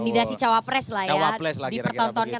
kandidasi cawapres lah ya dipertontonkan